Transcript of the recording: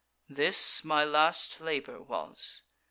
This my last labour was.